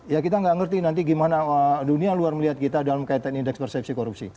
ya kita nggak ngerti nanti gimana dunia luar melihat kita dalam kaitan indeks persepsi korupsi